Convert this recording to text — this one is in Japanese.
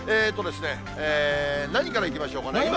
何からいきましょうかね。